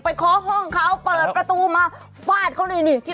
ไปข้อห้องเขาเปิดกระตูมาฟาดเขาดินี่